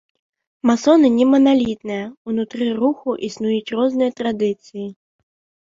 Масоны не маналітныя, унутры руху існуюць розныя традыцыі.